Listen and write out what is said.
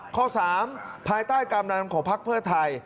ข้อ๓ภายใต้กรรมนำของภักดิ์เพื่อไทย